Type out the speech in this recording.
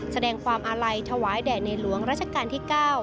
แสดงความอาลัยถวายแด่ในหลวงราชการที่๙